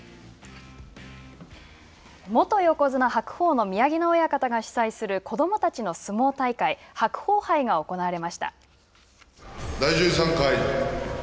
元横綱・白鵬の宮城野親方が主催する子どもたちの相撲大会白鵬杯が行われました。